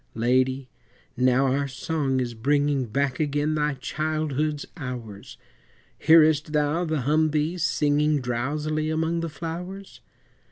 Lady! now our song is bringing Back again thy childhood's hours Hearest thou the humbee singing Drowsily among the flowers?